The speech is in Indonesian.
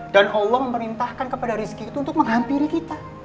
dan allah memerintahkan kepada rezeki itu untuk menghampiri kita